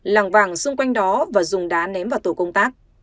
làng vàng xung quanh đó và dùng đá ném vào tổ công tác